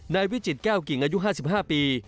วิจิตแก้วกิ่งอายุ๕๕ปี